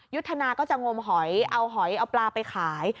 ยุทธนาก็จะงมหอยเอาหอยเอาปลาไปขาย